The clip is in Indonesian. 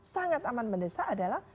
sangat aman mendesak adalah